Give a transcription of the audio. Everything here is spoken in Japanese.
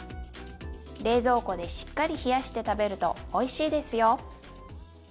冷蔵庫でしっかり冷やして食べるとおいしいですよ。